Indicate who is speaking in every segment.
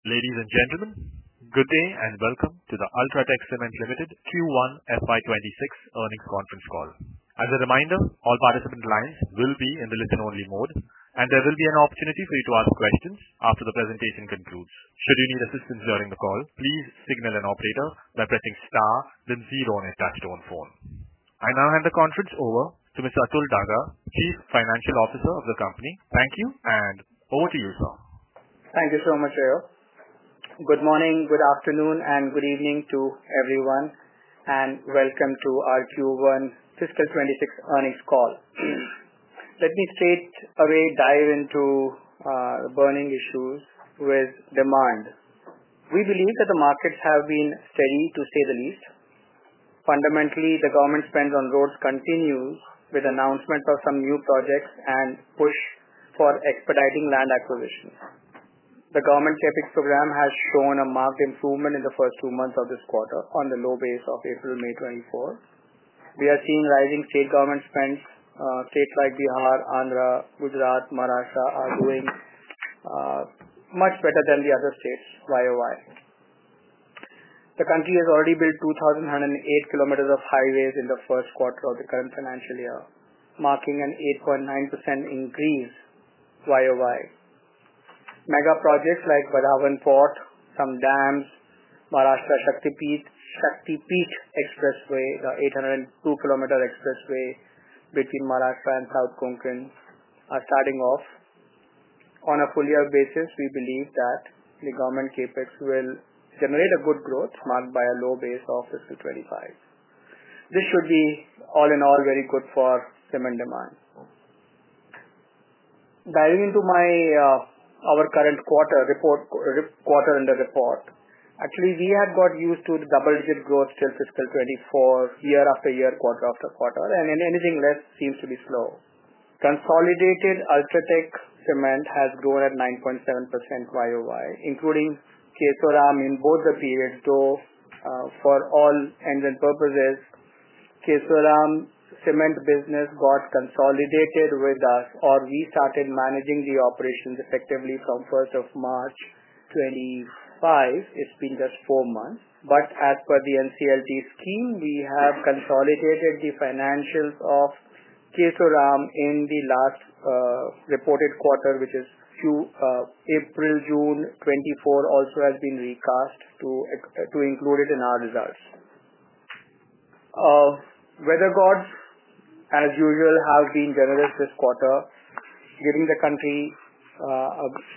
Speaker 1: Ladies and gentlemen, good day and welcome to the UltraTech Cement Limited Q1 FY26 earnings conference call. As a reminder, all participant lines will be in the listen-only mode, and there will be an opportunity for you to ask questions after the presentation concludes. Should you need assistance during the call, please signal an operator by pressing star then zero on a touch-tone phone. I now hand the conference over to Mr. Atul Daga, Chief Financial Officer of the company. Thank you, and over to you, sir.
Speaker 2: Thank you so much, Ayo. Good morning, good afternoon, and good evening to everyone, and welcome to our Q1 Fiscal 2026 Earnings Call. Let me straight away dive into burning issues with demand. We believe that the markets have been steady, to say the least. Fundamentally, the government spend on roads continues with announcements of some new projects and push for expediting land acquisitions. The government CAPEX program has shown a marked improvement in the first two months of this quarter on the low base of April, May 2024. We are seeing rising state government spend. States like Bihar, Andhra Pradesh, Gujarat, and Maharashtra are doing much better than the other states YoY. The country has already built 2,108 km of highways in the first quarter of the current financial year, marking an 8.9% increase YoY. Mega projects like Badavan Port, some dams, Maharashtra Shaktipeet Expressway, the 802 km expressway between Maharashtra and South Konkan, are starting off. On a full-year basis, we believe that the government CAPEX will generate a good growth marked by a low base of fiscal 2025. This should be, all in all, very good for cement demand. Diving into our current quarter and the report, actually, we had got used to the double-digit growth till fiscal 2024, year after year, quarter after quarter, and anything less seems to be slow. Consolidated UltraTech Cement has grown at 9.7% YoY, including Kesoram in both the periods, though for all ends and purposes, Kesoram cement business got consolidated with us, or we started managing the operations effectively from 4th of March 2025. It's been just four months. As per the NCLT scheme, we have consolidated the financials of Kesoram in the last reported quarter, which is April, June 2024 also has been recast to include it in our results. Weather gods, as usual, have been generous this quarter, giving the country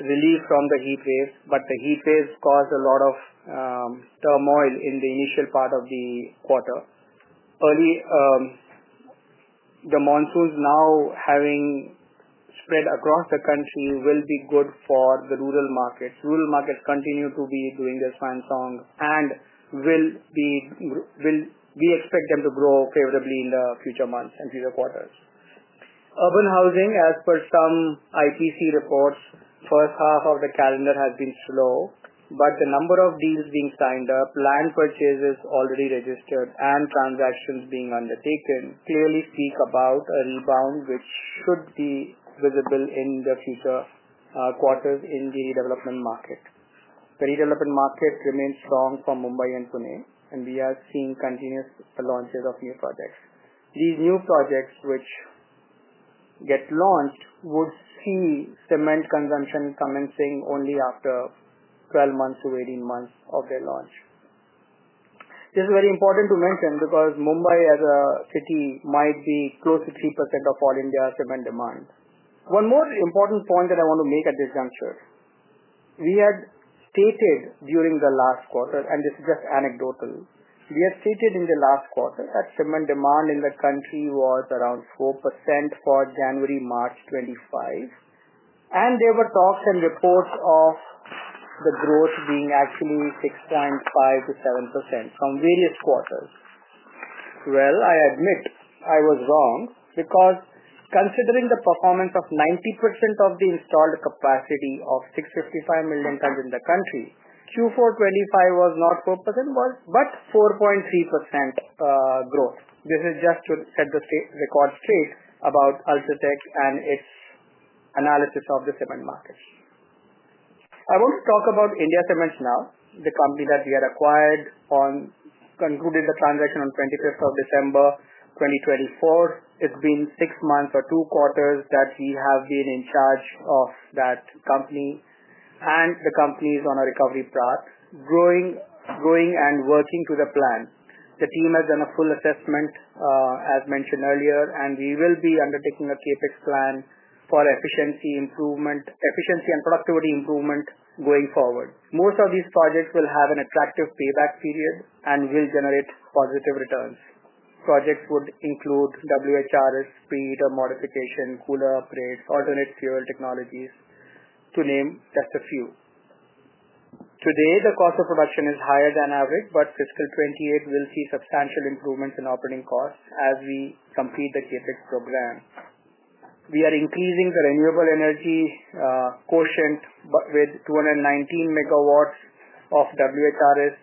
Speaker 2: relief from the heat waves, but the heat waves caused a lot of turmoil in the initial part of the quarter. The monsoons now having spread across the country will be good for the rural markets. Rural markets continue to be doing their fine song, and we expect them to grow favorably in the future months and future quarters. Urban housing, as per some IPC reports, the first half of the calendar has been slow, but the number of deals being signed up, land purchases already registered, and transactions being undertaken clearly speak about a rebound which should be visible in the future quarters in the redevelopment market. The redevelopment market remains strong for Mumbai and Pune, and we are seeing continuous launches of new projects. These new projects, which get launched, would see cement consumption commencing only after 12 months - 18 months of their launch. This is very important to mention because Mumbai, as a city, might be close to 3% of all India's cement demand. One more important point that I want to make at this juncture. We had stated during the last quarter, and this is just anecdotal, we had stated in the last quarter that cement demand in the country was around 4% for January-March 2025. There were talks and reports of the growth being actually 6.5%-7% from various quarters. I admit I was wrong because considering the performance of 90% of the installed capacity of 655 million tons in the country, Q4 2025 was not 4%, but 4.3% growth. This is just to set the record straight about UltraTech and its analysis of the cement market. I want to talk about The India Cements Limited now, the company that we had acquired. Concluded the transaction on 25th of December 2024. It's been six months or two quarters that we have been in charge of that company, and the company is on a recovery path, growing and working to the plan. The team has done a full assessment, as mentioned earlier, and we will be undertaking a CAPEX plan for efficiency and productivity improvement going forward. Most of these projects will have an attractive payback period and will generate positive returns. Projects would include WHRS, speed or modification, cooler upgrades, alternate fuel technology, to name just a few. Today, the cost of production is higher than average, but fiscal 2028 will see substantial improvements in operating costs as we complete the CAPEX program. We are increasing the renewable energy quotient with 219 MW of WHRS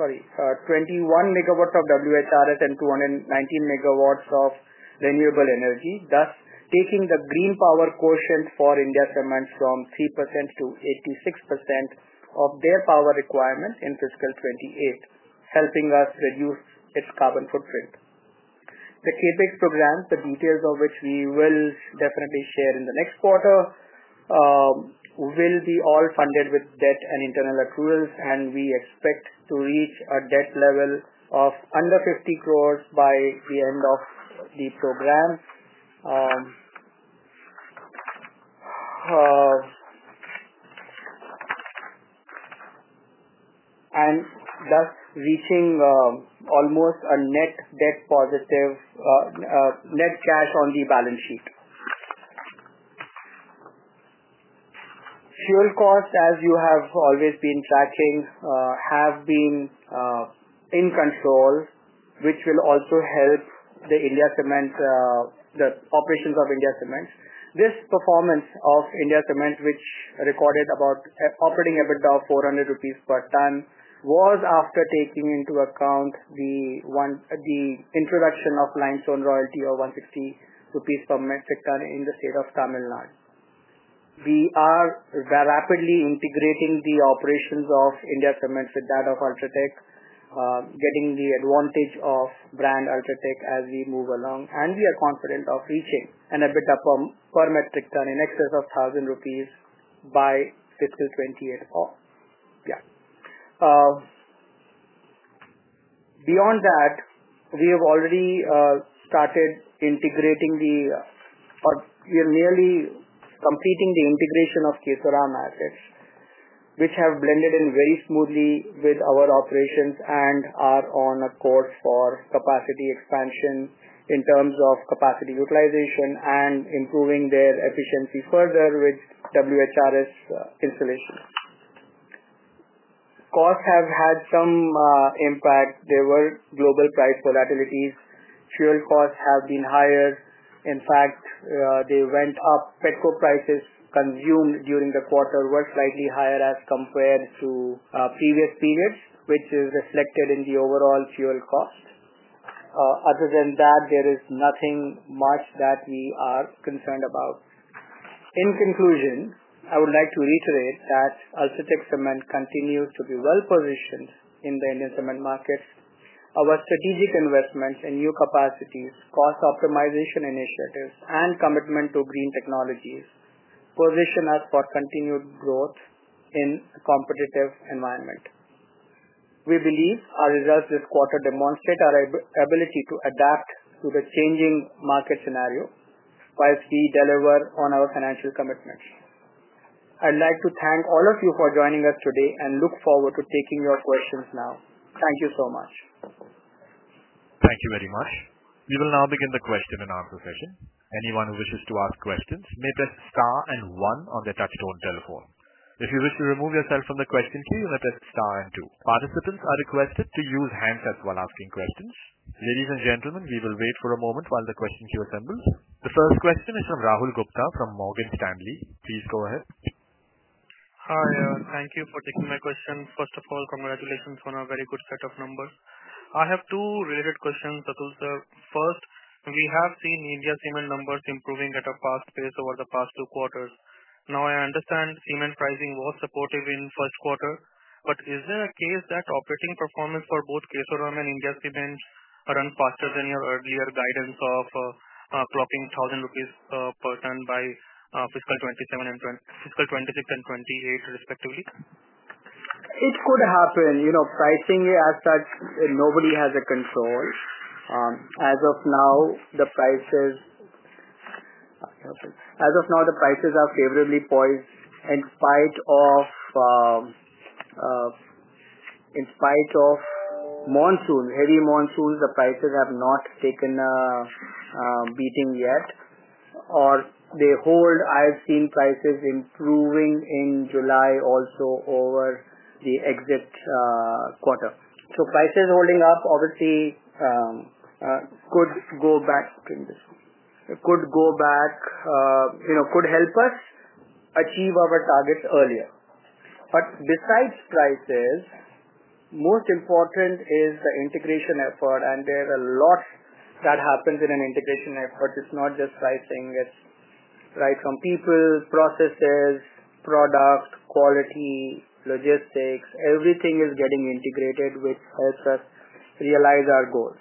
Speaker 2: sorry, 21 MW of WHRS and 219 MW of renewable energy, thus taking the green power quotient for The India Cements Limited from 3% to 86% of their power requirements in fiscal 2028, helping us reduce its carbon footprint. The CAPEX program, the details of which we will definitely share in the next quarter, will be all funded with debt and internal accruals, and we expect to reach a debt level of under 50 crore by the end of the program, and thus reaching almost a net debt positive, net cash on the balance sheet. Fuel costs, as you have always been tracking, have been in control, which will also help the operations of The India Cements. This performance of The India Cements, which recorded about operating at EBITDA of 400 rupees per ton, was after taking into account the introduction of limestone royalty of 160 rupees per metric ton in the state of Tamil Nadu. We are rapidly integrating the operations of The India Cements with that of UltraTech, getting the advantage of brand UltraTech as we move along, and we are confident of reaching EBITDA per metric ton in excess of 1,000 rupees by fiscal 2028. Yeah. Beyond that, we have already started integrating the—we are nearly completing the integration of Kesoram assets, which have blended in very smoothly with our operations and are on a course for capacity expansion in terms of capacity utilization and improving their efficiency further with WHRS installation. Costs have had some impact. There were global price volatilities. Fuel costs have been higher. In fact, they went up. Petcoke prices consumed during the quarter were slightly higher as compared to previous periods, which is reflected in the overall fuel cost. Other than that, there is nothing much that we are concerned about. In conclusion, I would like to reiterate that UltraTech Cement continues to be well-positioned in the Indian cement market. Our strategic investments in new capacities, cost optimization initiatives, and commitment to green technologies position us for continued growth in a competitive environment. We believe our results this quarter demonstrate our ability to adapt to the changing market scenario whilst we deliver on our financial commitments. I'd like to thank all of you for joining us today and look forward to taking your questions now. Thank you so much.
Speaker 1: Thank you very much. We will now begin the question and answer session. Anyone who wishes to ask questions may press star and one on the touchstone telephone. If you wish to remove yourself from the question queue, you may press star and two. Participants are requested to use handsets while asking questions. Ladies and gentlemen, we will wait for a moment while the question queue assembles. The first question is from Rahul Gupta from Morgan Stanley. Please go ahead.
Speaker 3: Hi, Ayo. Thank you for taking my question. First of all, congratulations on a very good set of numbers. I have two related questions, Atul sir. First, we have seen India Cements numbers improving at a fast pace over the past two quarters. Now, I understand cement pricing was supportive in the first quarter, but is there a case that operating performance for both Kesoram and India Cements ran faster than your earlier guidance of clocking 1,000 rupees per ton by fiscal 2026 and 2028, respectively?
Speaker 2: It could happen. Pricing as such, nobody has a control. As of now, the prices are favorably poised in spite of monsoons, heavy monsoons, the prices have not taken a beating yet. Or they hold. I've seen prices improving in July also over the exit quarter. So prices holding up, obviously could go back. Could help us achieve our targets earlier. Besides prices, most important is the integration effort, and there are a lot that happens in an integration effort. It's not just pricing. It's right from people, processes, product, quality, logistics. Everything is getting integrated, which helps us realize our goals.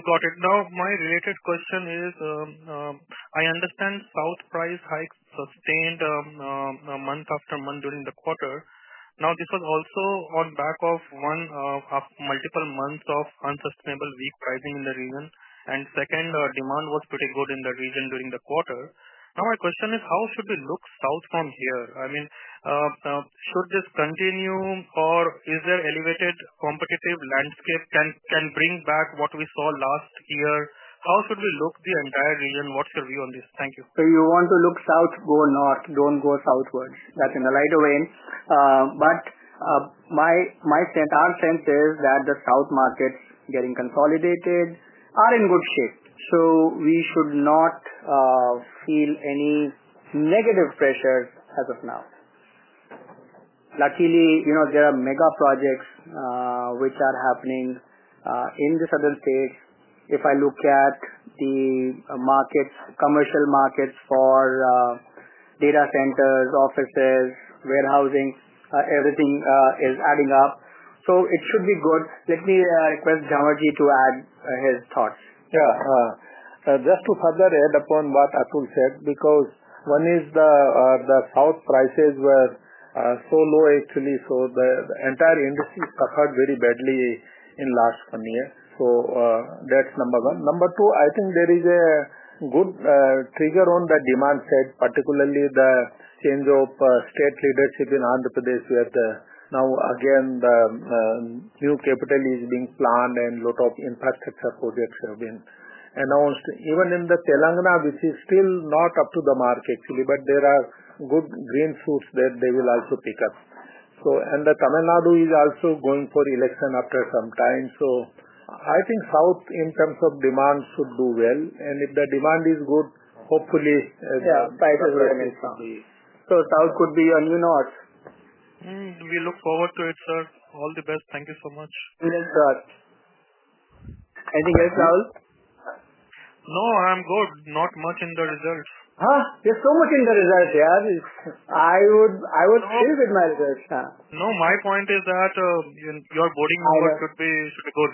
Speaker 3: Got it. Now, my related question is, I understand south price hikes sustained month after month during the quarter. Now, this was also on back of multiple months of unsustainable weak pricing in the region. Second, demand was pretty good in the region during the quarter. Now, my question is, how should we look south from here? I mean, should this continue, or is there elevated competitive landscape? Can bring back what we saw last year? How should we look the entire region? What's your view on this? Thank you.
Speaker 2: If you want to look south, go north. Do not go southwards. That is in the light of rain. Our sense is that the south markets getting consolidated are in good shape. We should not feel any negative pressures as of now. Luckily, there are mega projects which are happening in the southern states. If I look at the commercial markets for data centers, offices, warehousing, everything is adding up. It should be good. Let me request Jhanwarji to add his thoughts.
Speaker 4: Yeah. Just to further add upon what Atul said, because one is the south prices were so low, actually, so the entire industry suffered very badly in the last one year. That's number one. Number two, I think there is a good trigger on the demand side, particularly the change of state leadership in Andhra Pradesh, where now, again, the new capital is being planned and a lot of infrastructure projects have been announced. Even in Telangana, which is still not up to the mark, actually, but there are good green fruits that they will also pick up. Tamil Nadu is also going for election after some time. I think south, in terms of demand, should do well. If the demand is good, hopefully prices are going to increase.
Speaker 2: Yeah, so south could be on you north.
Speaker 3: We look forward to it, sir. All the best. Thank you so much.
Speaker 2: Anything else, Rahul?
Speaker 3: No, I'm good. Not much in the results.
Speaker 2: There's so much in the results, yeah. I would feel good in my results.
Speaker 3: No, my point is that your boarding number should be good.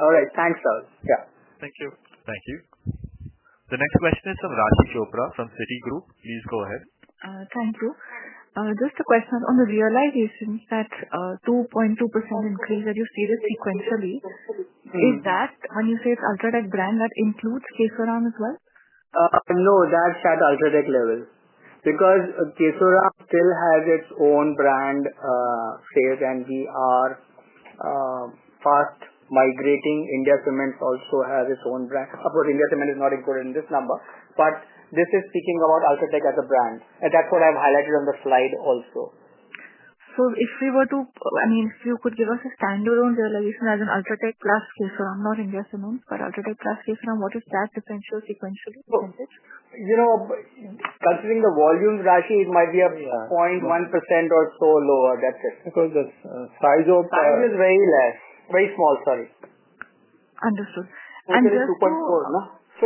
Speaker 2: All right. Thanks, Rahul.
Speaker 3: Yeah. Thank you.
Speaker 1: Thank you. The next question is from Raashi Chopra from Citigroup. Please go ahead.
Speaker 5: Thank you. Just a question on the realization, that 2.2% increase that you see this sequentially, is that when you say it's UltraTech brand, that includes Kesoram as well?
Speaker 2: No, that's at UltraTech level. Because Kesoram still has its own brand phase MGR fast migrating. India Cements also has its own brand. Of course, India Cements is not included in this number. This is speaking about UltraTech as a brand. That's what I've highlighted on the slide also.
Speaker 5: If we were to, I mean, if you could give us a standalone realization as an UltraTech plus Kesoram, not India Cements, but UltraTech plus Kesoram, what is that differential sequentially?
Speaker 2: Considering the volumes, Raashi, it might be a 0.1% or so lower. That's it. Because the size of. Size is very less. Very small, sorry.
Speaker 5: Understood.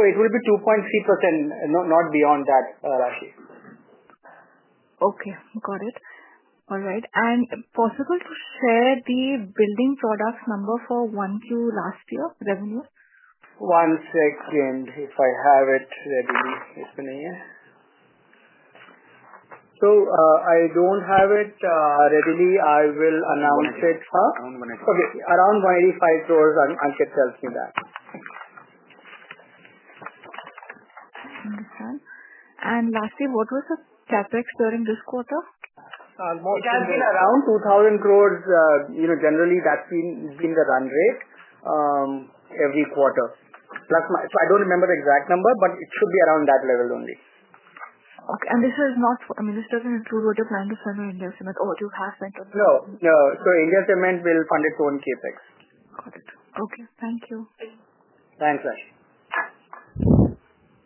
Speaker 2: It will be 2.4. It will be 2.3%, not beyond that, Raashi.
Speaker 5: Okay. Got it. All right. Possible to share the building products number for 1Q last year revenue?
Speaker 2: One second if I have it ready. It's in here. I don't have it readily. I will announce it. Around 185 crore. Around 185 crore. Ankit tells me that.
Speaker 5: Understood. Lastly, what was the CAPEX during this quarter?
Speaker 2: It has been around 2,000 crore. Generally, that's been the run rate every quarter. So I don't remember the exact number, but it should be around that level only.
Speaker 5: Okay. This is not, I mean, this does not include what you are planning to send to The India Cements or what you have sent to The India Cements?
Speaker 2: No. No. So The India Cements will fund its own CAPEX.
Speaker 5: Got it. Okay. Thank you.
Speaker 2: Thanks, Raashi.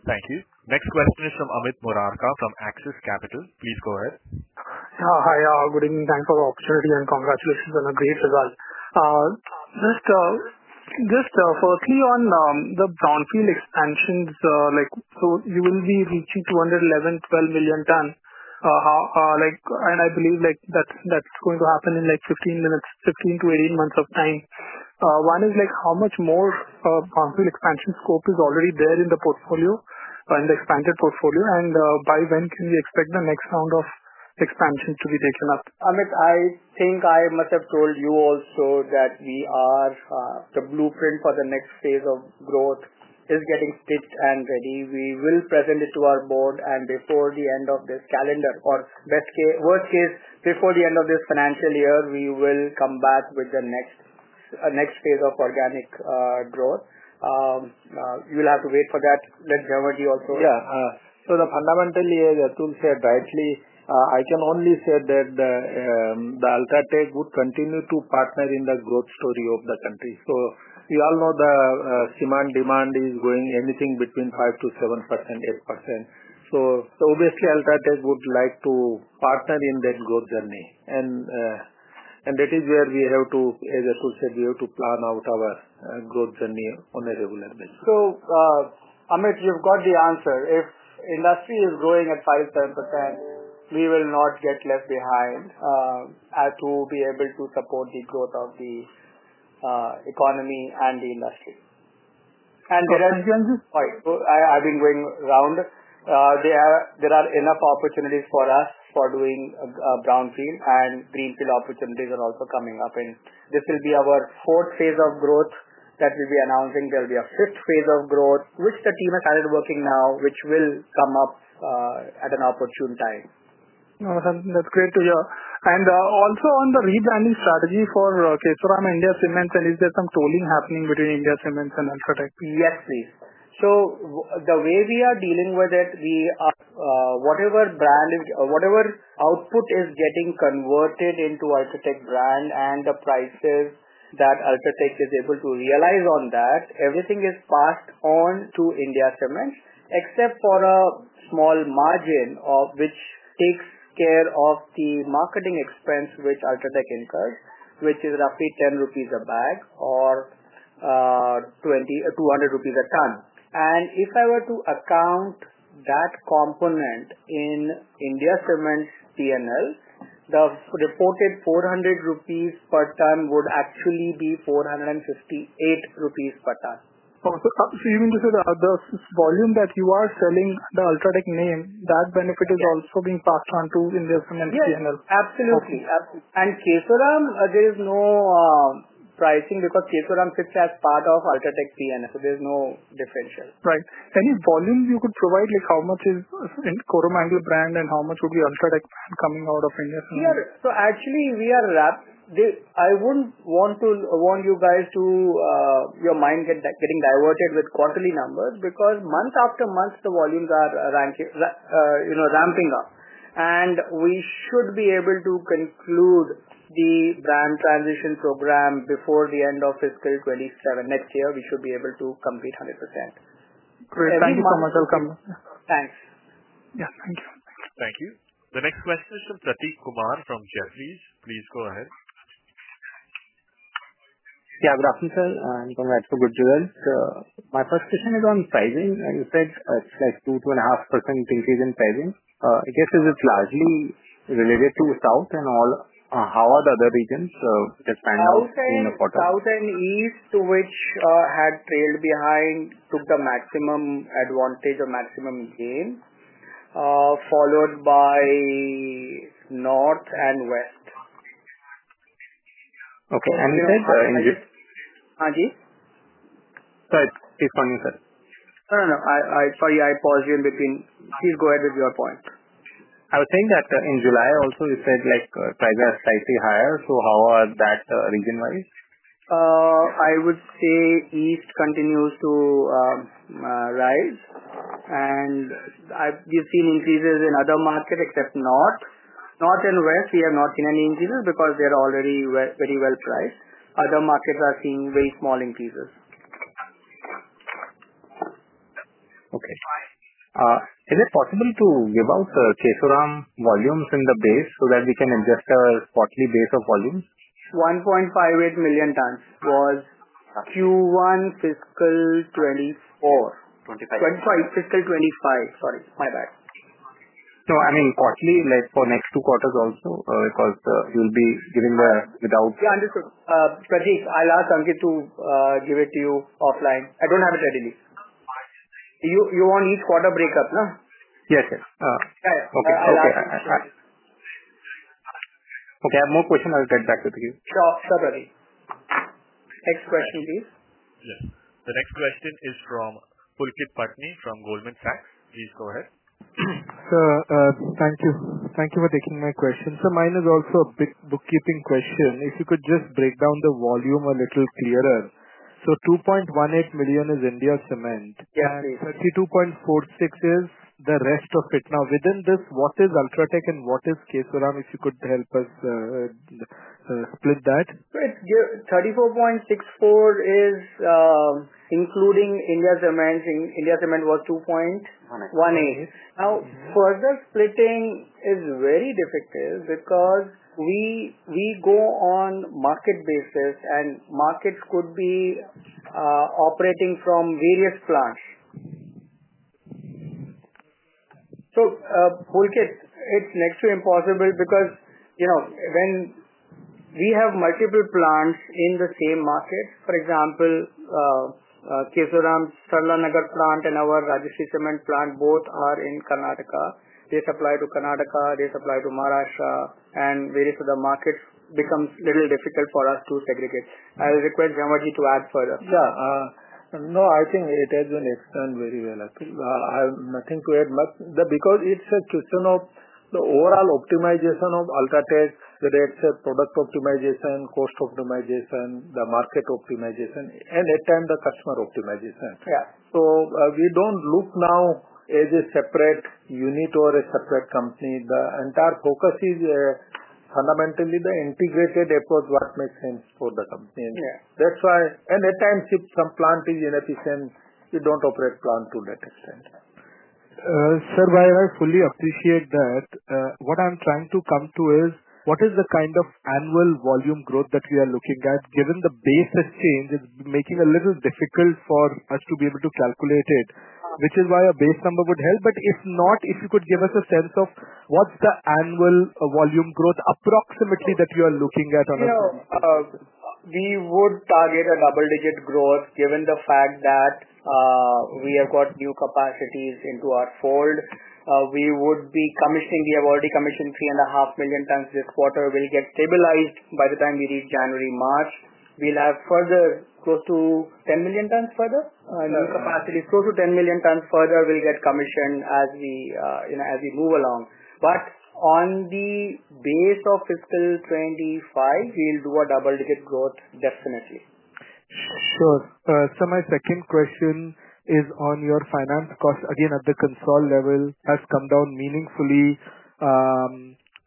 Speaker 1: Thank you. Next question is from Amit Morarka from Axis Capital. Please go ahead.
Speaker 6: Hi, Ayo. Good evening. Thanks for the opportunity and congratulations on a great result. Just for a clue on the brownfield expansions, you will be reaching 211-212 million ton. I believe that's going to happen in 15months-18 months of time. One is how much more brownfield expansion scope is already there in the portfolio, in the expanded portfolio, and by when can we expect the next round of expansion to be taken up?
Speaker 2: Amit, I think I must have told you also that we are, the blueprint for the next phase of growth is getting stitched and ready. We will present it to our board, and before the end of this calendar, or worst case, before the end of this financial year, we will come back with the next phase of organic growth. You'll have to wait for that. Let Jhanwarji also answer.
Speaker 4: Yeah. Fundamentally, as Atul said rightly, I can only say that the UltraTech would continue to partner in the growth story of the country. We all know the demand is going anything between 5% -7%, 8%. UltraTech would like to partner in that growth journey. That is where we have to, as Atul said, we have to plan out our growth journey on a regular basis.
Speaker 2: Amit, you've got the answer. If industry is growing at 5%-7%, we will not get left behind. To be able to support the growth of the economy and the industry. Sorry. I've been going round. There are enough opportunities for us for doing downfield, and greenfield opportunities are also coming up. This will be our fourth phase of growth that we'll be announcing. There'll be a fifth phase of growth, which the team has started working now, which will come up at an opportune time.
Speaker 6: That's great to hear. Also, on the rebranding strategy for Kesoram and India Cements, is there some tolling happening between India Cements and UltraTech?
Speaker 2: Yes, please. The way we are dealing with it, we, whatever output is getting converted into UltraTech brand and the prices that UltraTech is able to realize on that, everything is passed on to India Cements, except for a small margin which takes care of the marketing expense which UltraTech incurs, which is roughly 10 rupees a bag or 200 rupees a ton. If I were to account that component in India Cements P&L, the reported 400 rupees per ton would actually be 458 rupees per ton.
Speaker 6: Even just the volume that you are selling the UltraTech name, that benefit is also being passed on to India Cements P&L?
Speaker 2: Yes. Absolutely. Kesoram, there is no pricing because Kesoram sits as part of UltraTech P&L. There is no differential.
Speaker 6: Right. Any volume you could provide? How much is brand and how much would be UltraTech brand coming out of India Cements?
Speaker 2: Actually, we are wrapped. I wouldn't want you guys to, your mind getting diverted with quarterly numbers because month after month, the volumes are ramping up. We should be able to conclude the brand transition program before the end of fiscal 2027. Next year, we should be able to complete 100%.
Speaker 6: Great. Thank you so much.
Speaker 2: Thanks.
Speaker 6: Yeah. Thank you.
Speaker 1: Thank you. The next question is from Prateek Kumar from Jefferies. Please go ahead.
Speaker 7: Yeah, good afternoon, sir.
Speaker 2: Go ahead.
Speaker 7: My first question is on pricing. You said it's like 2%, 2.5% increase in pricing. I guess, is it largely related to south and how are the other regions just paneled in the quarter?
Speaker 2: South and east, which had trailed behind, took the maximum advantage or maximum gain, followed by north and west.
Speaker 7: Okay.
Speaker 2: Huh?
Speaker 7: Sorry. Keep going, you said.
Speaker 2: No, no, no. Sorry, I paused you in between. Please go ahead with your point.
Speaker 7: I was saying that in July also, you said prices are slightly higher. How are that region-wise?
Speaker 2: I would say east continues to rise. We've seen increases in other markets except north. North and west, we have not seen any increases because they're already very well priced. Other markets are seeing very small increases.
Speaker 7: Okay. Is it possible to give out the Kesoram volumes in the base so that we can adjust our quarterly base of volumes?
Speaker 2: 1.58 million tons was Q1 fiscal 2024.
Speaker 7: 25.
Speaker 2: 2025, fiscal 2025. Sorry. My bad.
Speaker 7: No, I mean quarterly for next two quarters also because you'll be giving the without.
Speaker 2: Yeah, understood. Prateek, I'll ask Ankit to give it to you offline. I don't have it readily. You want each quarter breakup, now?
Speaker 7: Yes, yes.
Speaker 2: Yeah, yeah. Okay.
Speaker 7: Okay. I have more questions. I'll get back to you.
Speaker 2: Sure. Sure, Prateek. Next question, please.
Speaker 1: Yes. The next question is from Pulkit Patni from Goldman Sachs. Please go ahead.
Speaker 8: Sir, thank you. Thank you for taking my question. Sir, mine is also a big bookkeeping question. If you could just break down the volume a little clearer. So 2.18 million is India Cements?
Speaker 2: Yeah, please.
Speaker 8: 32.46 is the rest of it. Now, within this, what is UltraTech and what is Kesoram? If you could help us split that?
Speaker 2: 34.64 is Including The India Cements. The India Cements was 2.18. Now, further splitting is very difficult because we go on market basis, and markets could be operating from various plants. So Pulkit, it's next to impossible because we have multiple plants in the same market. For example, Kesoram, Sarlanagar plant and our Rajshree Cement plant both are in Karnataka. They supply to Karnataka, they supply to Maharashtra, and various other markets becomes a little difficult for us to segregate. I'll request Jhanwarji to add further.
Speaker 4: Yeah. No, I think it has been explained very well. I have nothing to add because it's a question of the overall optimization of UltraTech, whether it's a product optimization, cost optimization, the market optimization, and at times, the customer optimization. We do not look now as a separate unit or a separate company. The entire focus is fundamentally the integrated approach, what makes sense for the company. At times, if some plant is inefficient, we do not operate plant to that extent.
Speaker 8: Sir, I fully appreciate that. What I'm trying to come to is, what is the kind of annual volume growth that we are looking at? Given the base exchange, it's making it a little difficult for us to be able to calculate it, which is why a base number would help. If not, if you could give us a sense of what's the annual volume growth approximately that you are looking at?
Speaker 2: We would target a double-digit growth given the fact that we have got new capacities into our fold. We would be commissioning, we have already commissioned 3.5 million tons this quarter. We will get stabilized by the time we reach January-March. We will have further close to 10 million tons further. New capacities close to 10 million tons further will get commissioned as we move along. On the base of fiscal 2025, we will do a double-digit growth, definitely.
Speaker 8: Sure. Sir, my second question is on your finance cost. Again, at the control level, has come down meaningfully.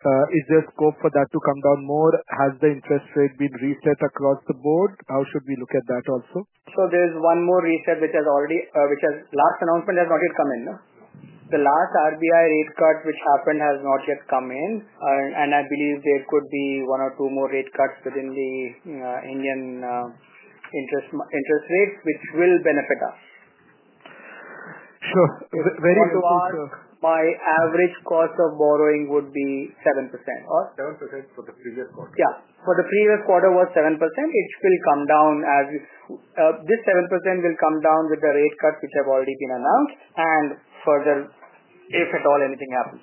Speaker 8: Is there scope for that to come down more? Has the interest rate been reset across the board? How should we look at that also?
Speaker 2: There's one more reset which has already—the last announcement has not yet come in. The last RBI rate cut which happened has not yet come in. I believe there could be one or two more rate cuts within the Indian interest rates, which will benefit us.
Speaker 8: Sure. Very interesting, sir.
Speaker 2: My average cost of borrowing would be 7%.
Speaker 4: Down 7% for the previous quarter.
Speaker 2: Yeah. For the previous quarter, it was 7%. It will come down as this 7% will come down with the rate cuts which have already been announced and further, if at all anything happens.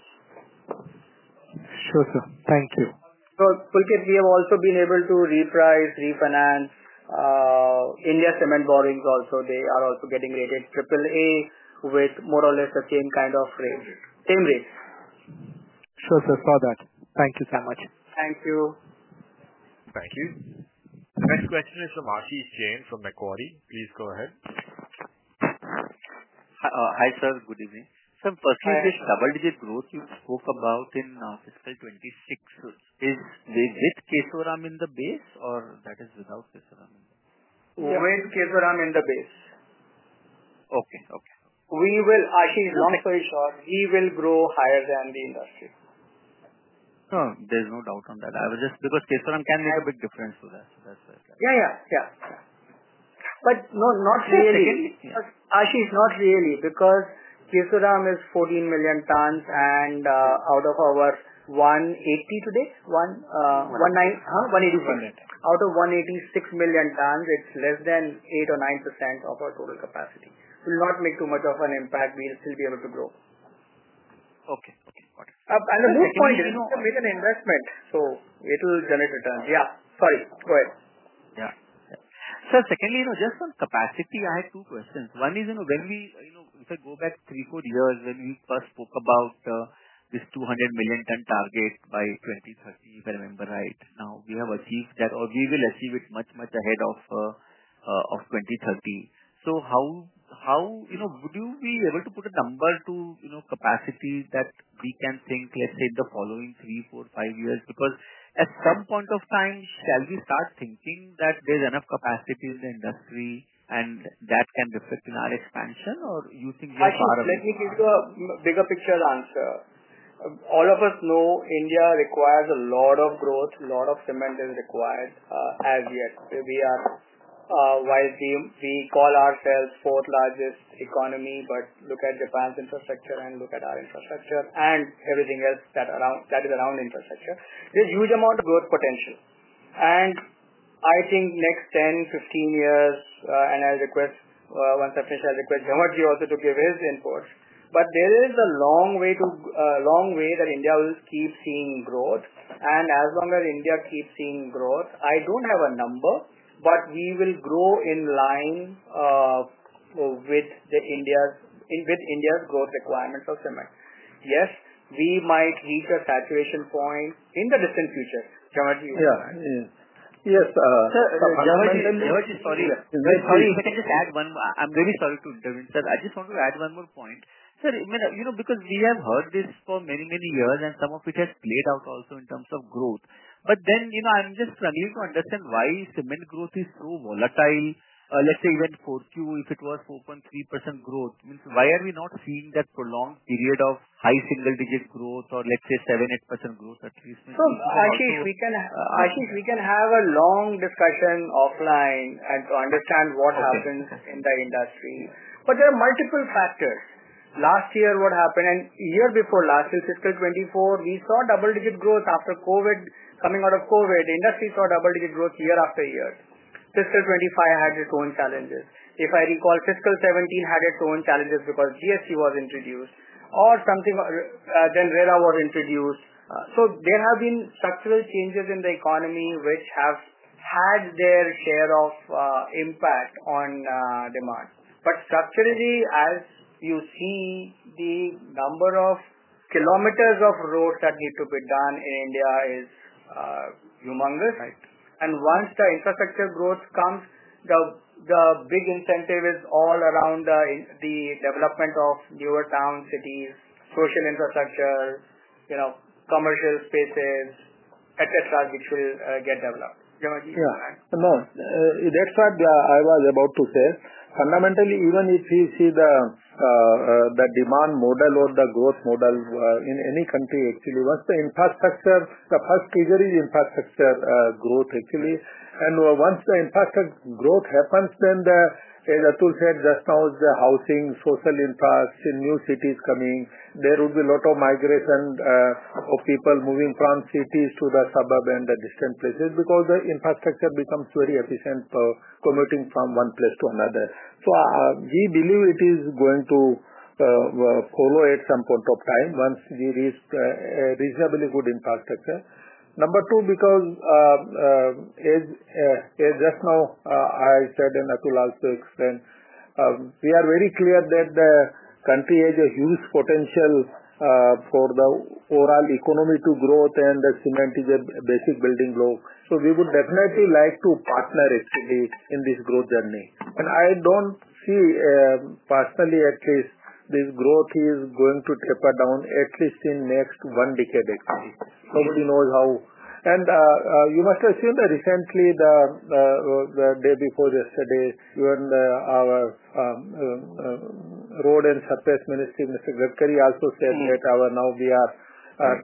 Speaker 8: Sure, sir. Thank you.
Speaker 2: Pulkit, we have also been able to reprice, refinance. The India Cements borrowings also, they are also getting rated AAA with more or less the same kind of rate. Same rate.
Speaker 8: Sure, sir. Got that. Thank you so much.
Speaker 2: Thank you.
Speaker 1: Thank you. The next question is from Ashish Jain from Macquarie. Please go ahead.
Speaker 9: Hi, sir. Good evening. Sir, first question, this double-digit growth you spoke about in fiscal 2026, is with Kesoram in the base or that is without Kesoram in the base?
Speaker 2: With Kesoram in the base.
Speaker 9: Okay. Okay.
Speaker 2: We will, Ashish is not so sure. He will grow higher than the industry.
Speaker 9: No, there's no doubt on that. Because Kesoram can make a big difference to that. That's why I'm asking.
Speaker 2: Yeah, yeah. Not really. Ashish, not really because Kesoram is 14 million tons, and out of our 180 today—186. Out of 186 million tons, it's less than 8% or 9% of our total capacity. It will not make too much of an impact. We'll still be able to grow.
Speaker 9: Okay. Okay. Got it.
Speaker 2: The most important thing is to make an investment.
Speaker 9: It'll generate returns?
Speaker 2: Yeah. Sorry. Go ahead.
Speaker 9: Yeah. Sir, secondly, just on capacity, I have two questions. One is when we—if I go back three, four years when we first spoke about this 200 million ton target by 2030, if I remember right, now we have achieved that, or we will achieve it much, much ahead of 2030. So how would you be able to put a number to capacity that we can think, let's say, in the following three, four, five years? Because at some point of time, shall we start thinking that there's enough capacity in the industry and that can reflect in our expansion, or do you think we are far away?
Speaker 2: Let me give you a bigger picture answer. All of us know India requires a lot of growth. A lot of cement is required as yet. We are, while we call ourselves the fourth largest economy, but look at Japan's infrastructure and look at our infrastructure and everything else that is around infrastructure. There is a huge amount of growth potential. I think next 10years -15 years, and I'll request—once I finish, I'll request Jhanwarji also to give his input. There is a long way that India will keep seeing growth. As long as India keeps seeing growth, I do not have a number, but we will grow in line with India's growth requirements of cement. Yes, we might reach a saturation point in the distant future. Jhanwarji, you want to add?
Speaker 4: Yes.
Speaker 9: Jamarji, sorry. Sorry. If I can just add one—I'm very sorry to intervene. Sir, I just want to add one more point. Sir, because we have heard this for many, many years, and some of it has played out also in terms of growth. I am just struggling to understand why cement growth is so volatile. Let's say, even 4Q, if it was 4.3% growth, why are we not seeing that prolonged period of high single-digit growth or, let's say, 7-8% growth at least?
Speaker 2: Ashish, we can have a long discussion offline to understand what happens in the industry. There are multiple factors. Last year, what happened? And a year before last year, fiscal 2024, we saw double-digit growth after COVID, coming out of COVID. The industry saw double-digit growth year after year. Fiscal 2025 had its own challenges. If I recall, fiscal 2017 had its own challenges because GST was introduced or something. Then RERA was introduced. There have been structural changes in the economy which have had their share of impact on demand. Structurally, as you see, the number of kilometers of road that need to be done in India is humongous. Once the infrastructure growth comes, the big incentive is all around the development of newer town cities, social infrastructure, commercial spaces, etc., which will get developed. Jhanwarji?
Speaker 4: Yeah. That's what I was about to say. Fundamentally, even if we see the demand model or the growth model in any country, actually, once the infrastructure, the first trigger is infrastructure growth, actually. Once the infrastructure growth happens, then as Atul said just now, it is the housing, social infrastructure, new cities coming. There would be a lot of migration of people moving from cities to the suburb and the distant places because the infrastructure becomes very efficient for commuting from one place to another. We believe it is going to follow at some point of time once we reach reasonably good infrastructure. Number two, because just now, I said, and Atul also explained, we are very clear that the country has a huge potential for the overall economy to grow, and cement is a basic building block. We would definitely like to partner, actually, in this growth journey. I don't see, personally at least, this growth is going to taper down at least in the next one decade, actually. Nobody knows how. You must have seen that recently, the day before yesterday, even our road and surface minister, Mr. Gadkari, also said that now we are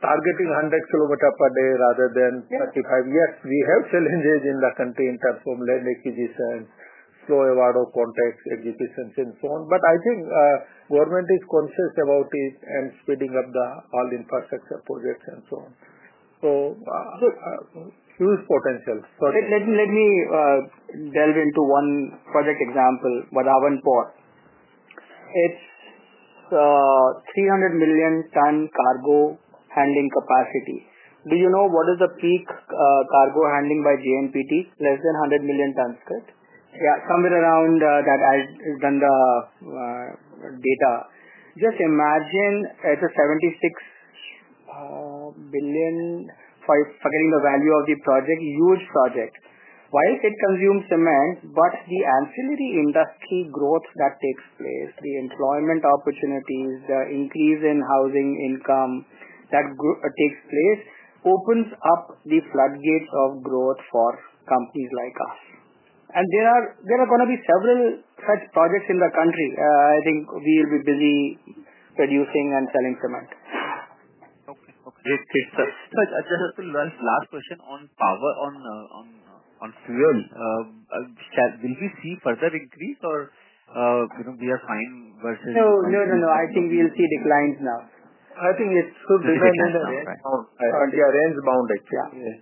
Speaker 4: targeting 100 km per day rather than 35 years, we have challenges in the country in terms of land acquisition, slow avoid of contracts, executions, and so on. I think government is conscious about it and speeding up all infrastructure projects and so on. Huge potential.
Speaker 2: Let me delve into one project example, Badhavan Port. It is 300 million ton cargo handling capacity. Do you know what is the peak cargo handling by JNPT? Less than 100 million tons, correct? Yeah, somewhere around that data. Just imagine it is a 76 billion, forgetting the value of the project, huge project. While it consumes cement, but the ancillary industry growth that takes place, the employment opportunities, the increase in housing income that takes place opens up the floodgates of growth for companies like us. There are going to be several such projects in the country. I think we will be busy producing and selling cement.
Speaker 9: Okay. Sir, just a last question on fuel, will we see further increase or we are fine versus?
Speaker 2: No, no. I think we'll see declines now. I think it's so different in the— Range bound, actually.
Speaker 4: Yeah.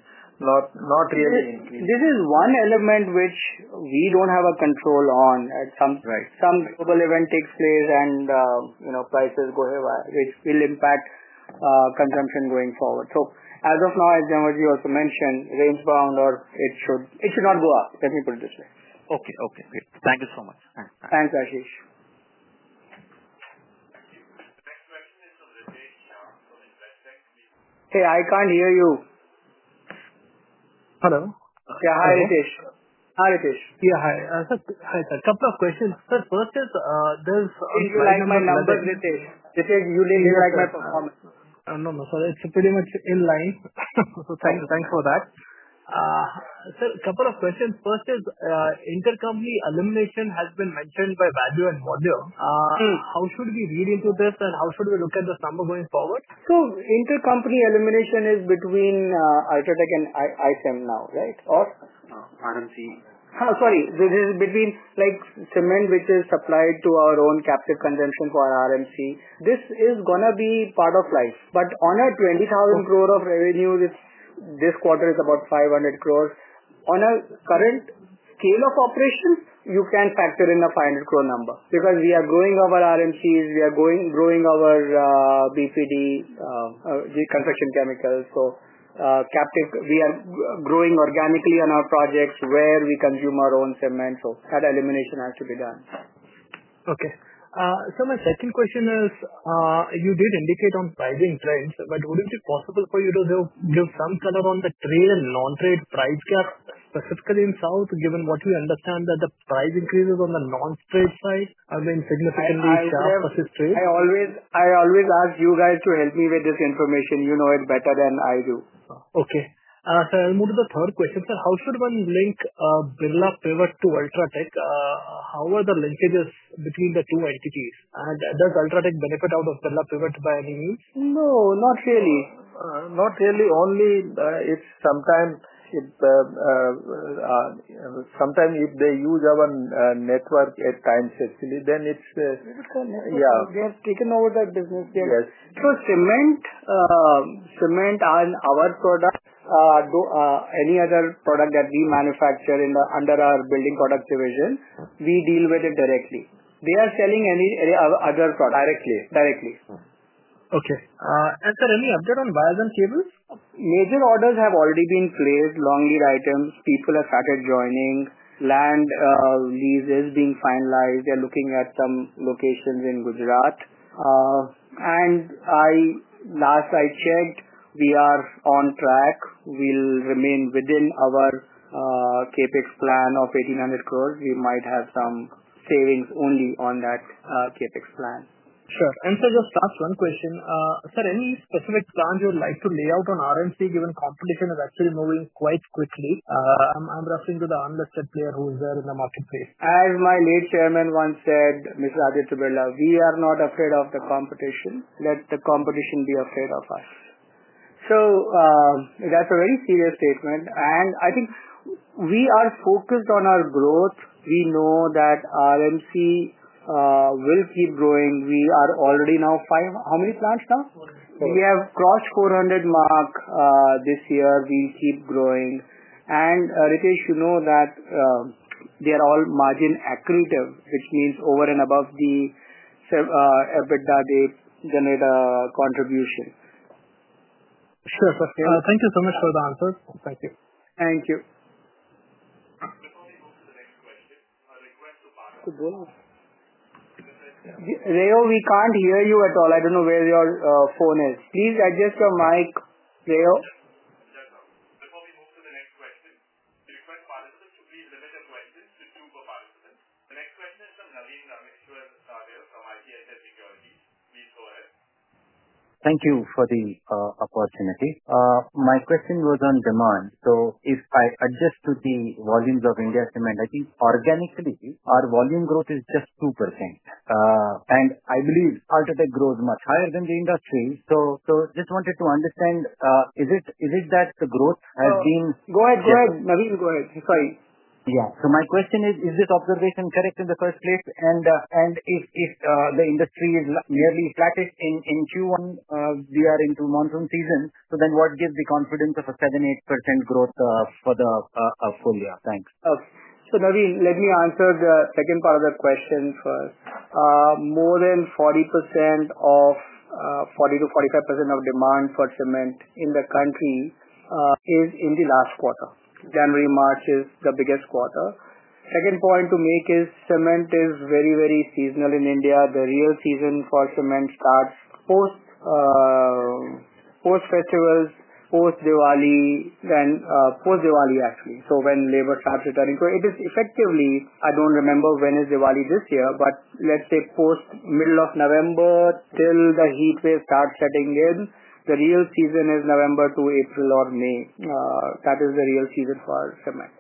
Speaker 4: Not really increasing.
Speaker 2: This is one element which we do not have control on. Some global event takes place and prices go higher, which will impact consumption going forward. As of now, as Jhanwarji also mentioned, range bound or it should not go up. Let me put it this way.
Speaker 9: Okay. Okay. Great. Thank you so much.
Speaker 2: Thanks, Ashish. Hey, I can't hear you.
Speaker 10: Hello?
Speaker 2: Yeah. Hi, Ritesh. Hi, Ritesh.
Speaker 10: Yeah. Hi. Hi, sir. A couple of questions. Sir, first is there's—
Speaker 2: my number, Ritesh?
Speaker 10: No, no, sir. It's pretty much in line. Thanks for that. Sir, a couple of questions. First is intercompany elimination has been mentioned by value and model. How should we read into this and how should we look at this number going forward?
Speaker 2: Intercompany elimination is between UltraTech and IC&L now, right Al?[Unknown Speaker] RMC. Sorry. This is between cement, which is supplied to our own captive consumption for RMC. This is going to be part of life. On a 20,000 crore of revenue, this quarter is about 500 crore. On a current scale of operation, you can factor in a 500 crore number because we are growing our RMCs. We are growing our BPD. Construction chemicals. We are growing organically on our projects where we consume our own cement. That elimination has to be done.
Speaker 10: Okay. Sir, my second question is you did indicate on pricing trends, but wouldn't it be possible for you to give some color on the trade and non-trade price gap, specifically in South, given what we understand that the price increases on the non-trade side have been significantly sharp versus trade?
Speaker 2: I always ask you guys to help me with this information. You know it better than I do.
Speaker 10: Okay. Sir, I'll move to the third question. Sir, how should one link Birla Pivot to UltraTech? How are the linkages between the two entities? And does UltraTech benefit out of Birla Pivot by any means?
Speaker 2: No, not really.
Speaker 4: Not really. Only sometimes. If they use our network at times, actually, then it's—
Speaker 10: What is called network?
Speaker 4: Yeah.
Speaker 10: They have taken over that business yet?
Speaker 2: Cement and our product, any other product that we manufacture under our Building Products Division, we deal with it directly. They are selling any other product.
Speaker 10: Directly?
Speaker 2: Directly.
Speaker 10: Okay. Sir, any update on wires and cables?
Speaker 2: Major orders have already been placed. Long lead items, people have started joining. Land lease is being finalized. They're looking at some locations in Gujarat. Last I checked, we are on track. We'll remain within our CAPEX plan of 1,800 crore. We might have some savings only on that CAPEX plan.
Speaker 10: Sure. Sir, just last one question. Sir, any specific plan you would like to lay out on RMC, given competition is actually moving quite quickly? I'm referring to the unlisted player who is there in the marketplace.
Speaker 2: As my late Chairman once said, Mr. Ajith Tubella, we are not afraid of the competition. Let the competition be afraid of us. That is a very serious statement. I think we are focused on our growth. We know that RMC will keep growing. We are already now, how many plants now? We have crossed the 400 mark this year. We will keep growing. Ritesh, you know that they are all margin accretive, which means over and above the EBITDA they generate a contribution.
Speaker 10: Sure. Thank you so much for the answers. Thank you.
Speaker 2: Thank you. Leo, we can't hear you at all. I don't know where your phone is. Please adjust your mic, Leo.
Speaker 1: Before we move to the next question, we request participants to please limit their questions to two per participant. The next question is from Naveen Rameshwar from ITS Security. Please go ahead.
Speaker 11: Thank you for the opportunity. My question was on demand. If I adjust to the volumes of India Cements, I think organically our volume growth is just 2%. I believe UltraTech grows much higher than the industry. I just wanted to understand, is it that the growth has been—
Speaker 2: Go ahead. Naveen, go ahead. Sorry.
Speaker 11: Yeah. So my question is, is this observation correct in the first place? And if the industry is nearly flat in Q1, we are into monsoon season, so then what gives the confidence of a 7-8% growth for the full year? Thanks.
Speaker 2: Okay. Naveen, let me answer the second part of the question first. More than 40%—40-45% of demand for cement in the country is in the last quarter. January-March is the biggest quarter. Second point to make is cement is very, very seasonal in India. The real season for cement starts post festivals, post Diwali, then post Diwali, actually. When labor starts returning, it is effectively—I do not remember when Diwali is this year, but let's say post middle of November till the heat wave starts setting in. The real season is November to April or May. That is the real season for cement.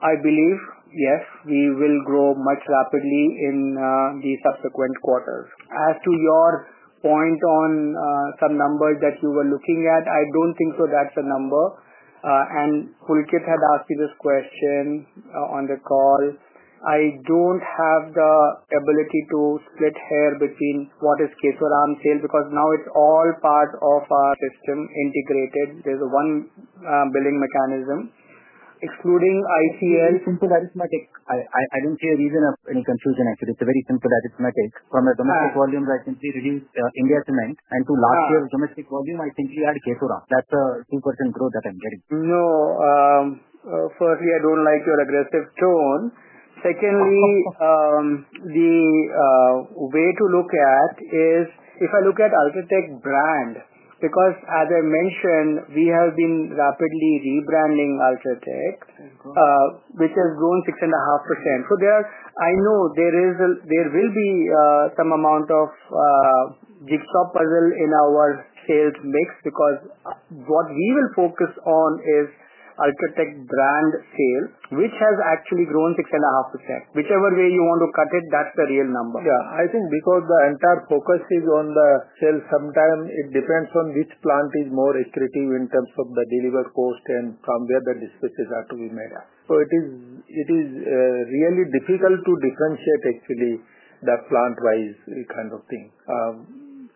Speaker 2: I believe, yes, we will grow much more rapidly in the subsequent quarters. As to your point on some numbers that you were looking at, I do not think so. That is a number. Pulkit had asked me this question on the call. I do not have the ability to split hair between what is Kesoram sale because now it is all part of our system integrated. There is one billing mechanism. Excluding The India Cements Limited.
Speaker 11: It's simple arithmetic. I don't see a reason of any confusion, actually. It's a very simple arithmetic. From a domestic volume, I simply reduce India Cements. And to last year's domestic volume, I simply add Kesoram. That's a 2% growth that I'm getting.
Speaker 2: No. Firstly, I don't like your aggressive tone. Secondly, the way to look at it is if I look at UltraTech brand, because as I mentioned, we have been rapidly rebranding UltraTech, which has grown 6.5%. I know there will be some amount of jigsaw puzzle in our sales mix because what we will focus on is UltraTech brand sales, which has actually grown 6.5%. Whichever way you want to cut it, that's the real number.
Speaker 4: Yeah. I think because the entire focus is on the sales, sometimes it depends on which plant is more accretive in terms of the delivered cost and from where the dispatches are to be made. It is really difficult to differentiate, actually, the plant-wise kind of thing.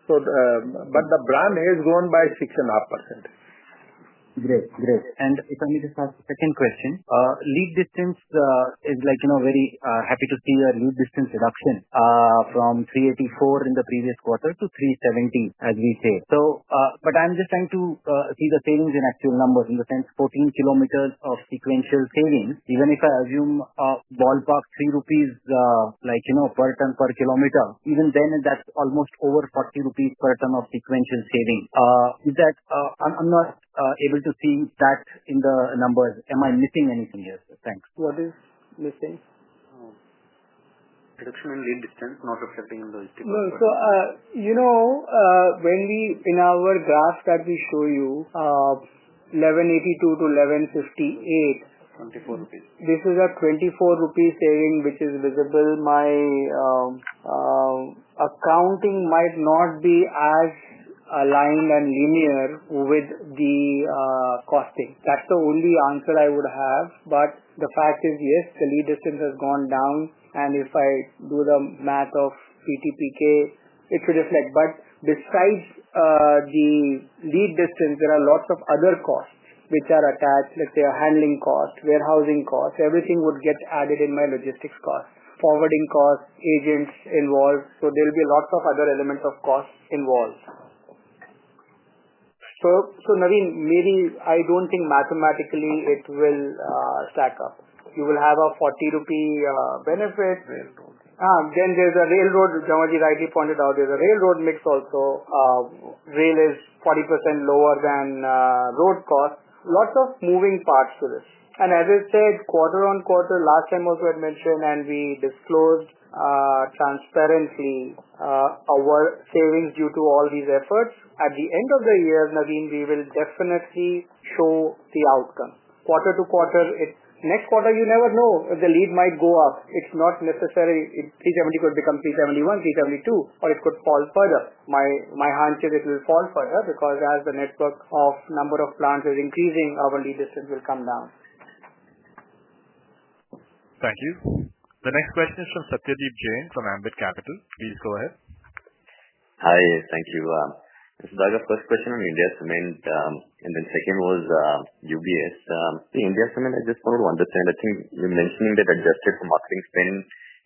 Speaker 4: The brand has grown by 6.5%.
Speaker 11: Great. Great. If I may just ask a second question, lead distance is very happy to see a lead distance reduction from 384 in the previous quarter to 370, as we say. I am just trying to see the savings in actual numbers in the sense 14 km of sequential savings. Even if I assume ballpark 3 rupees per ton per kilometer, even then that is almost over 40 rupees per ton of sequential savings. I am not able to see that in the numbers. Am I missing anything here? Thanks.
Speaker 2: What is missing?
Speaker 11: Reduction in lead distance not reflecting in the statistics.
Speaker 2: No. So, in our graph that we show you, 1,182-1,158.
Speaker 4: 24 rupees.
Speaker 2: This is a 24 rupees saving which is visible. My accounting might not be as aligned and linear with the costing. That's the only answer I would have. The fact is, yes, the lead distance has gone down. If I do the math of PTPK, it should reflect. Besides the lead distance, there are lots of other costs which are attached. Let's say a handling cost, warehousing cost. Everything would get added in my logistics cost, forwarding cost, agents involved. There will be lots of other elements of cost involved. Naveen, maybe I don't think mathematically it will stack up. You will have a 40 rupee benefit. There's a railroad. Jamarji rightly pointed out, there's a railroad mix also. Rail is 40% lower than road cost. Lots of moving parts to this. As I said, quarter on quarter, last time also I had mentioned, and we disclosed transparently. Our savings due to all these efforts. At the end of the year, Naveen, we will definitely show the outcome. Quarter to quarter, next quarter, you never know. The lead might go up. It's not necessary. 370 could become 371, 372, or it could fall further. My hunch is it will fall further because as the network of number of plants is increasing, our lead distance will come down.
Speaker 1: Thank you. The next question is from Satyadeep Jain from Ambit Capital. Please go ahead.
Speaker 12: Hi. Thank you. Mr. Daga, first question on India Cements. Then second was UBS. The India Cements, I just wanted to understand. I think you are mentioning that adjusted for marketing spend,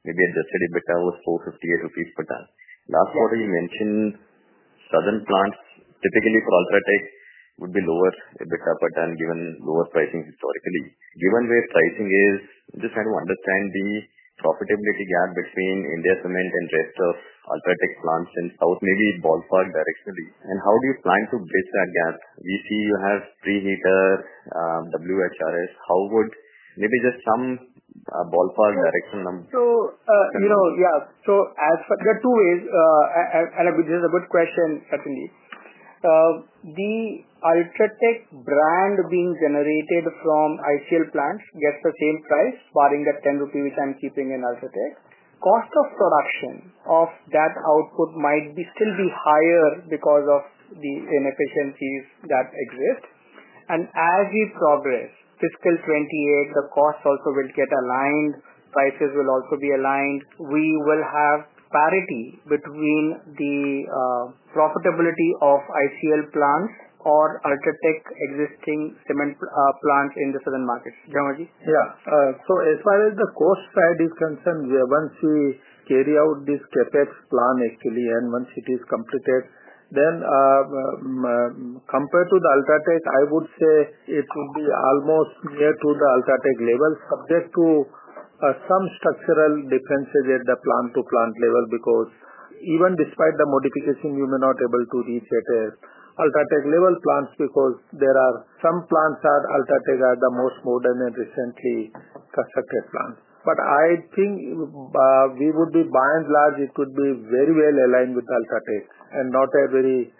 Speaker 12: maybe adjusted a bit towards 458 rupees per ton. Last quarter, you mentioned. Southern plants, typically for UltraTech, would be lower a bit per ton given lower pricing historically. Given where pricing is, I just want to understand the profitability gap between India Cements and rest of UltraTech plants in south, maybe ballpark directionally. How do you plan to bridge that gap? We see you have pre-heater, WHRS. How would maybe just some ballpark direction number?
Speaker 2: So. Yeah. There are two ways. This is a good question, Satyadeep. The UltraTech brand being generated from ICL plants gets the same price, barring that 10 rupee which I am keeping in UltraTech. Cost of production of that output might still be higher because of the inefficiencies that exist. As we progress, fiscal 2028, the costs also will get aligned. Prices will also be aligned. We will have parity between the profitability of ICL plants or UltraTech existing cement plants in the southern markets. Jhanwarji?
Speaker 4: Yeah. As far as the cost side is concerned, once we carry out this CAPEX plan, actually, and once it is completed, then, compared to UltraTech, I would say it would be almost near to the UltraTech level, subject to some structural differences at the plant-to-plant level because even despite the modification, you may not be able to reach at UltraTech level plants because there are some plants at UltraTech that are the most modern and recently constructed plants. I think we would be, by and large, it could be very well aligned with UltraTech. Not a very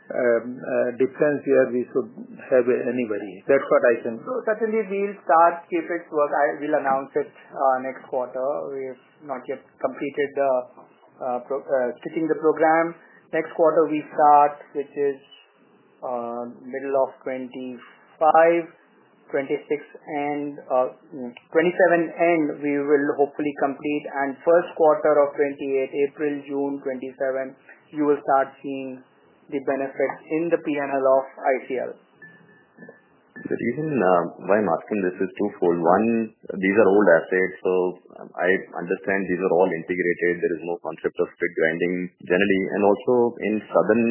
Speaker 4: big difference where we should have anybody. That's what I think.
Speaker 2: Satyadeep, we'll start CAPEX work. I will announce it next quarter. We have not yet completed stitching the program. Next quarter, we start, which is middle of 2025-2026, and 2027, and we will hopefully complete. In first quarter of 2028, April-June 2027, you will start seeing the benefits in the P&L of ICL.
Speaker 12: Satyadeep, in my marketing, this is twofold. One, these are old assets. I understand these are all integrated. There is no concept of split grinding generally. Also, in the southern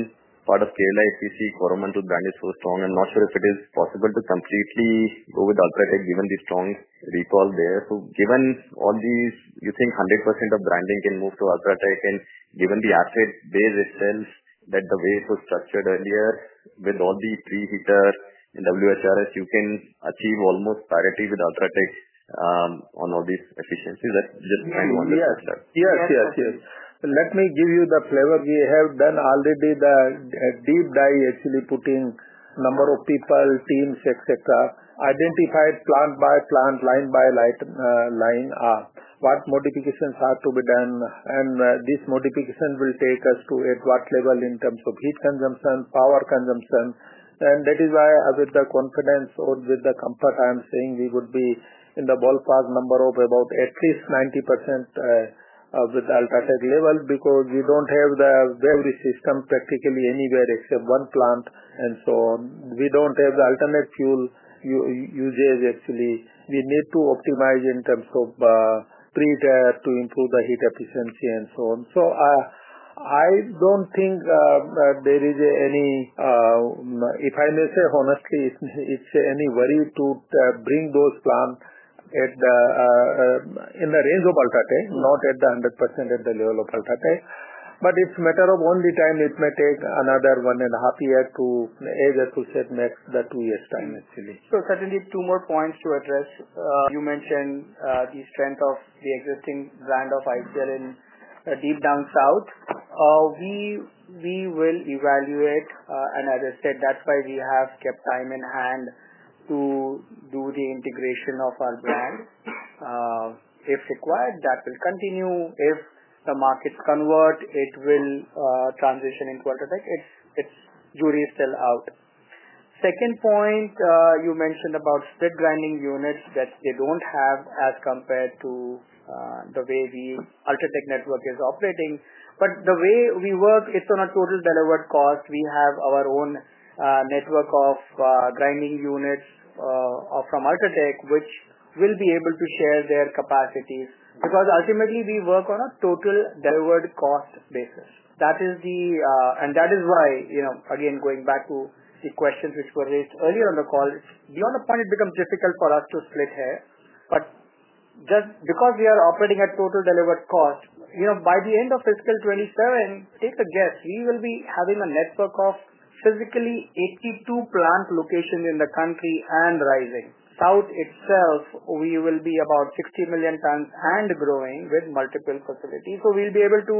Speaker 12: part of Kerala, if you see Koromantu brand is so strong, I'm not sure if it is possible to completely go with UltraTech given the strong recall there. Given all these, you think 100% of grinding can move to UltraTech? Given the asset base itself, the way it was structured earlier with all the pre-heater and WHRS, you can achieve almost parity with UltraTech on all these efficiencies. That's just trying to understand that.
Speaker 4: Yes. Yes. Yes. Let me give you the flavor. We have done already the deep dive, actually putting number of people, teams, etc., identified plant by plant, line by line up, what modifications have to be done. This modification will take us to at what level in terms of heat consumption, power consumption. That is why with the confidence or with the comfort I'm saying, we would be in the ballpark number of about at least 90%. With UltraTech level because we don't have the very system practically anywhere except one plant and so on. We don't have the alternate fuel usage, actually. We need to optimize in terms of pre-tire to improve the heat efficiency and so on. I don't think there is any, if I may say honestly, it's any worry to bring those plants at the, in the range of UltraTech, not at the 100% at the level of UltraTech. It's a matter of only time. It may take another one and a half year to age associate max the two years time, actually.
Speaker 2: Satyadeep, two more points to address. You mentioned the strength of the existing brand of ICL in deep down south. We will evaluate. As I said, that is why we have kept time in hand to do the integration of our brand. If required, that will continue. If the markets convert, it will transition into UltraTech. Its jury is still out. Second point, you mentioned about split grinding units that they do not have as compared to the way the UltraTech network is operating. The way we work, it is on a total delivered cost. We have our own network of grinding units from UltraTech, which will be able to share their capacities. Ultimately, we work on a total delivered cost basis. That is the reason. That is why, again, going back to the questions which were raised earlier on the call, beyond the point, it becomes difficult for us to split hair. Just because we are operating at total delivered cost, by the end of fiscal 2027, take a guess, we will be having a network of physically 82 plant locations in the country and rising. South itself, we will be about 60 million tons and growing with multiple facilities. We will be able to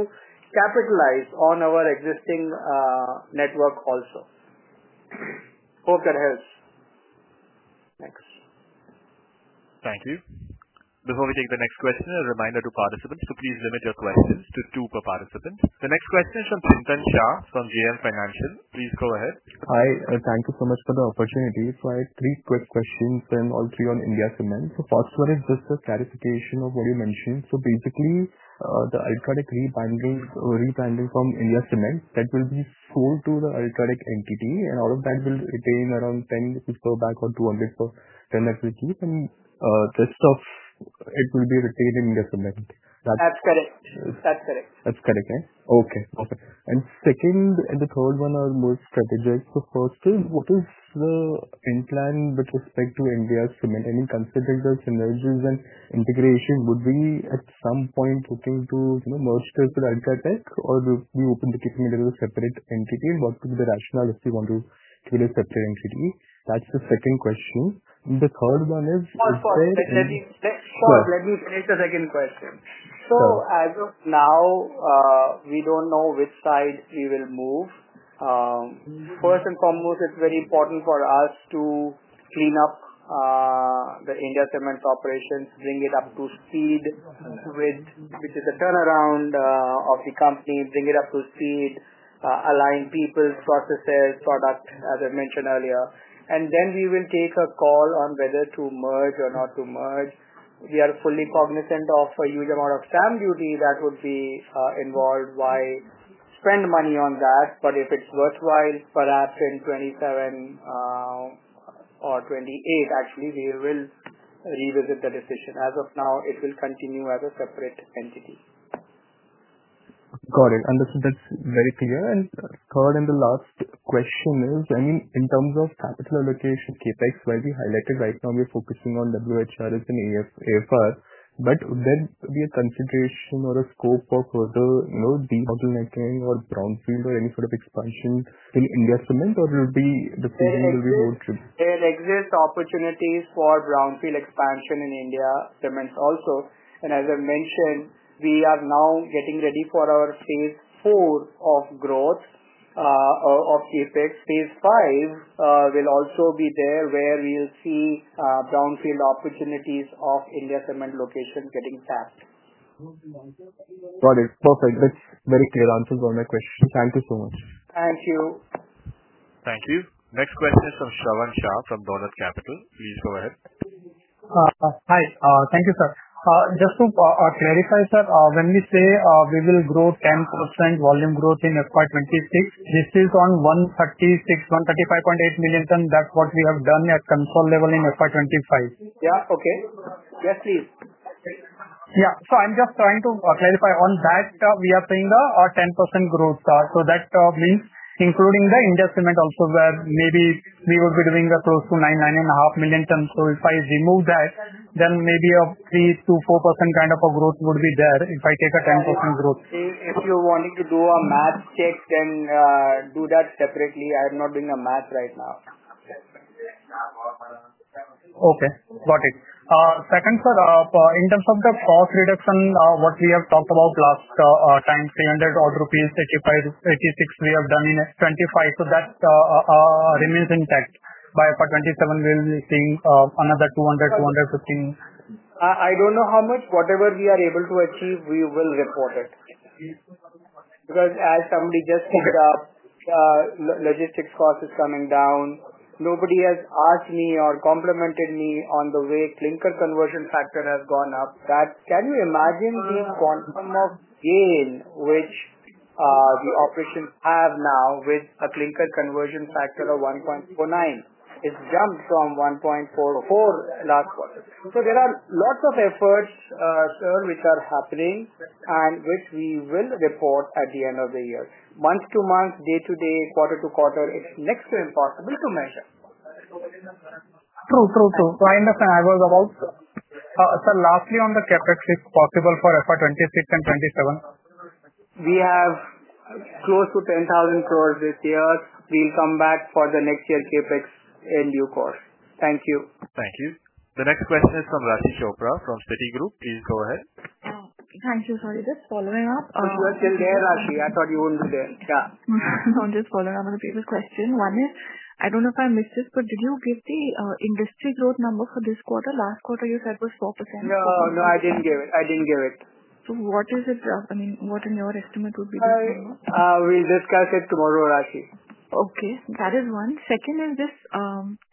Speaker 2: capitalize on our existing network also. Hope that helps. Thanks.
Speaker 1: Thank you. Before we take the next question, a reminder to participants to please limit your questions to two per participant. The next question is from Chintan Shah from JM Financial. Please go ahead.
Speaker 13: Hi. Thank you so much for the opportunity. I have three quick questions, and all three on India Cements. First one is just a clarification of what you mentioned. Basically, the UltraTech rebranding from India Cements, that will be sold to the UltraTech entity. Out of that, we'll retain around 10% back or 200% that we keep. The rest of it will be retained in India Cements.
Speaker 2: That's correct.
Speaker 13: That's correct, right? Okay. Okay. The second and the third one are more strategic. Firstly, what is the intent with respect to India Cements? I mean, considering the synergies and integration, would we at some point be looking to merge this with UltraTech, or would we open the case and get it as a separate entity? What would be the rationale if we want to keep it a separate entity? That's the second question. The third one is
Speaker 2: Let me finish the second question. As of now, we do not know which side we will move. First and foremost, it is very important for us to clean up The India Cements operations, bring it up to speed with the turnaround of the company, bring it up to speed, align people, processes, product, as I mentioned earlier. Then we will take a call on whether to merge or not to merge. We are fully cognizant of a huge amount of stamp duty that would be involved. Why spend money on that? If it is worthwhile, perhaps in 2027 or 2028, actually, we will revisit the decision. As of now, it will continue as a separate entity.
Speaker 13: Got it. Understood. That's very clear. Third and the last question is, I mean, in terms of capital allocation, CAPEX, while we highlighted right now, we're focusing on WHRS and AFR. Would there be a consideration or a scope for further deep model networking or brownfield or any sort of expansion in India Cements, or will the savings be more?
Speaker 2: There exist opportunities for brownfield expansion in The India Cements also. As I mentioned, we are now getting ready for our phase four of growth of CAPEX. Phase V will also be there where we'll see brownfield opportunities of The India Cements Limited locations getting tapped.
Speaker 13: Got it. Perfect. That's very clear answers to all my questions. Thank you so much.
Speaker 2: Thank you.
Speaker 1: Thank you. Next question is from Shravan Shah from Dolat Capital. Please go ahead.
Speaker 14: Hi. Thank you, sir. Just to clarify, sir, when we say we will grow 10% volume growth in FY 2026, this is on 136, 135.8 million ton. That is what we have done at console level in FY25. Yeah?
Speaker 2: Okay. Yes, please.
Speaker 14: Yeah. I am just trying to clarify on that. We are saying a 10% growth. That means including The India Cements also where maybe we would be doing close to 9, 9.5 million ton. If I remove that, then maybe a 3, 2, 4% kind of a growth would be there if I take a 10% growth.
Speaker 2: If you are wanting to do a math check, then do that separately. I am not doing a math right now.
Speaker 14: Okay. Got it. Second, sir, in terms of the cost reduction, what we have talked about last time, 300 rupees odd, 86 we have done in 2025. So that remains intact. By FY2027, we'll be seeing another 200-215.
Speaker 2: I don't know how much. Whatever we are able to achieve, we will report it. Because as somebody just said, logistics cost is coming down. Nobody has asked me or complimented me on the way clinker conversion factor has gone up. Can you imagine the quantum of gain which the operations have now with a clinker conversion factor of 1.49? It's jumped from 1.44 last quarter. There are lots of efforts, sir, which are happening and which we will report at the end of the year. Month to month, day to day, quarter to quarter, it's next to impossible to measure.
Speaker 14: True. True. True. I understand. I was about. Sir, lastly on the CAPEX, if possible for FY 2026 and 2027.
Speaker 2: We have close to 10,000 crore this year. We'll come back for the next year CAPEX and new course. Thank you.
Speaker 1: Thank you. The next question is from Raashi Chopra from Citigroup. Please go ahead.
Speaker 5: Thank you. Sorry, just following up.
Speaker 2: Oh, you are still there, Raashi? I thought you wouldn't be there. Yeah.
Speaker 5: I'm just following up with a paper question. One is, I don't know if I missed this, but did you give the industry growth number for this quarter? Last quarter, you said was 4%.
Speaker 2: No, no, I didn't give it. I didn't give it.
Speaker 5: What is it? I mean, what in your estimate would be the growth number?
Speaker 2: We'll discuss it tomorrow, Raashi.
Speaker 5: Okay. That is one. Second is this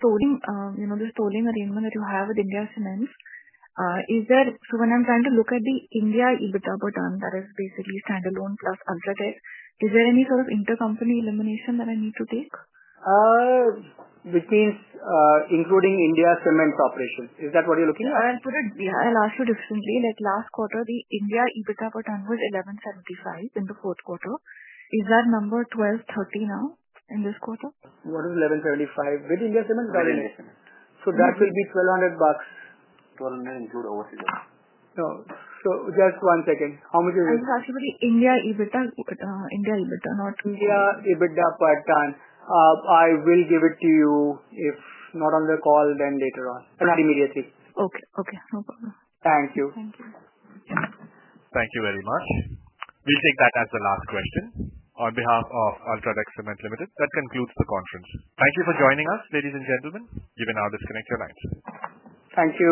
Speaker 5: tolling arrangement that you have with The India Cements Limited. So when I'm trying to look at the India EBITDA per ton, that is basically standalone plus UltraTech, is there any sort of intercompany elimination that I need to take?
Speaker 2: Which means including India Cements operations. Is that what you're looking at?
Speaker 5: I'll put it, yeah, I'll ask you differently. Last quarter, the India EBITDA per ton was 1,175 in the fourth quarter. Is that number 1,230 now in this quarter?
Speaker 2: What is 1,135 with India Cements or without India Cements? That will be 1,200 bucks.
Speaker 15: include as well.
Speaker 2: Just one second. How much is it?
Speaker 5: I'm talking about the India EBITDA, not.
Speaker 2: India EBITDA per ton. I will give it to you if not on the call, then later on. Not immediately.
Speaker 5: Okay. Okay. No problem.
Speaker 2: Thank you.
Speaker 5: Thank you.
Speaker 1: Thank you very much. We'll take that as the last question on behalf of UltraTech Cement Limited. That concludes the conference. Thank you for joining us, ladies and gentlemen. You may now disconnect your lines.
Speaker 2: Thank you.